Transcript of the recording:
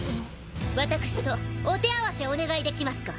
私とお手合わせお願いできますか？